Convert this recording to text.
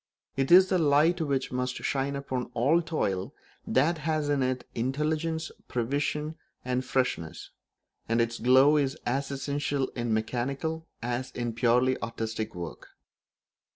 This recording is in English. It is the light which must shine upon all toil that has in it intelligence, prevision, and freshness; and its glow is as essential in mechanical as in purely artistic work.